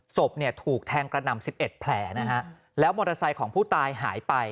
ศพเนี่ยถูกแทงกระหน่ำสิบเอ็ดแผลนะฮะแล้วมอเตอร์ไซค์ของผู้ตายหายไป